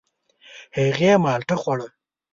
هغې مالټه خوړه.